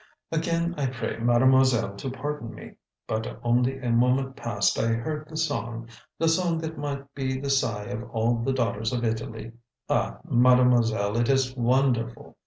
"Again I pray mademoiselle to pardon me, but only a moment past I heard the song the song that might be the sigh of all the daughters of Italy. Ah, Mademoiselle, it is wonderful!